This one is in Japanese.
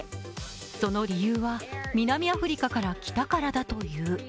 その理由は南アフリカから来たからだという。